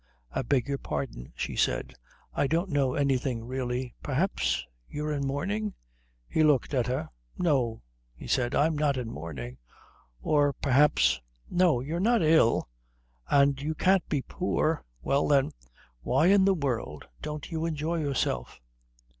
"I beg your pardon," she said. "I don't know anything really. Perhaps you're in mourning?" He looked at her. "No," he said, "I'm not in mourning." "Or perhaps no, you're not ill. And you can't be poor. Well, then, why in the world don't you enjoy yourself?"